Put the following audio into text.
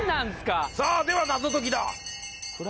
さあ、では謎解きだ！